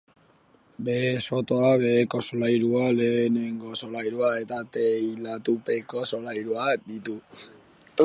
Behe-sotoa, beheko solairua, lehenengo solairua eta teilatupeko solairua ditu.